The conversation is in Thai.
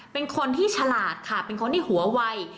เป็นคนที่ฉลาดค่ะเป็นคนที่หัววัย